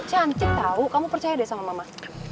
cantik tahu kamu percaya deh sama mama